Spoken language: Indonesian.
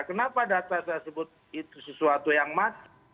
kenapa data saya sebut sesuatu yang matang